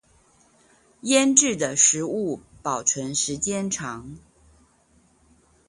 醃制的食物保存時間長